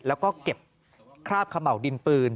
แล้วก็เก็บคราบเขม่าวดินปืน